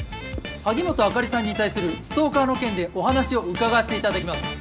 萩本あかりさんに対するストーカーの件でお話を伺わせていただきます。